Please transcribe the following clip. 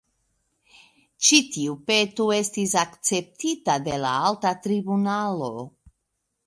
Ĉi tiu peto estis akceptita de la alta tribunalo.